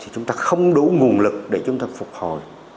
chúng ta không đủ nguồn lực để chúng ta phục hồi